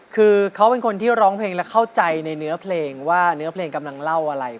คือเขาเป็นคนที่ร้องเพลงและเข้าใจในเนื้อเพลงว่าเนื้อเพลงกำลังเล่าอะไร